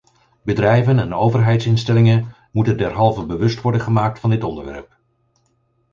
Bedrijven en overheidsinstellingen moeten derhalve bewust worden gemaakt van dit onderwerp.